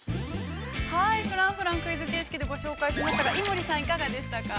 ◆フランフラン、クイズ形式で、ご紹介しましたが、井森さん、いかがでしたか。